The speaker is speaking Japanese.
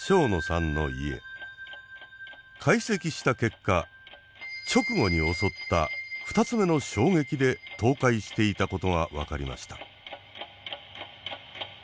解析した結果直後に襲った２つ目の衝撃で倒壊していたことが分かりました。